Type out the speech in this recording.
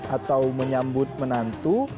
atau menyambut menantu